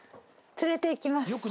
連れていきます。